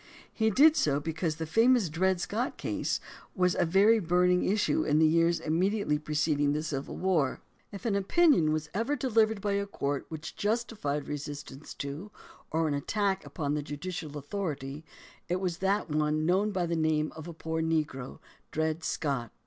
He did so because the famous Dred Scott case was a very burning issue in the years immediately preceding the Civil War. If an opinion was ever delivered by a court which justified resistance to or an attack upon the judicial authority it was that one known by the name of a poor negro — Dred Scott.